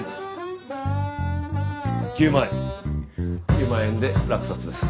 ９万円で落札です。